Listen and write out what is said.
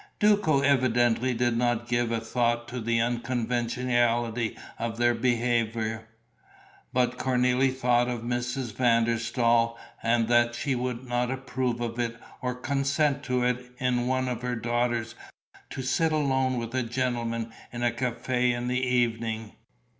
Duco evidently did not give a thought to the unconventionality of their behaviour; but Cornélie thought of Mrs. van der Staal and that she would not approve of it or consent to it in one of her daughters, to sit alone with a gentleman in a café in the evening.